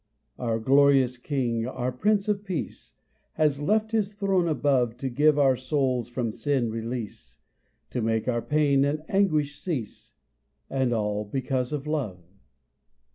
Our glorious King, our Prince of Peace, Has left his throne above To give our souls from sin release, To make our pain and anguish cease, And all because of love.